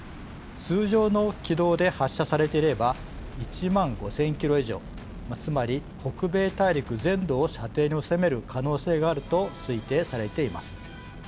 通常の軌道で発射されていれば１万５，０００キロ以上つまり北米大陸全土を射程に収める可能性があると推定されています。